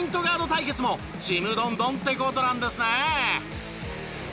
対決もちむどんどんって事なんですね。